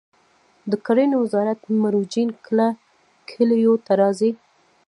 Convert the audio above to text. د کرنې وزارت مروجین کله کلیو ته راځي؟